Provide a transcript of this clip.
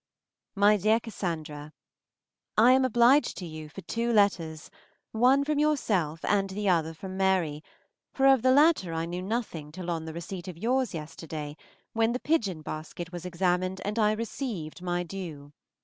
MY DEAR CASSANDRA, I am obliged to you for two letters, one from yourself and the other from Mary, for of the latter I knew nothing till on the receipt of yours yesterday, when the pigeon basket was examined, and I received my due.